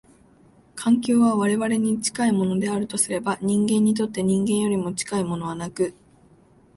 環境は我々に近いものであるとすれば、人間にとって人間よりも近いものはなく、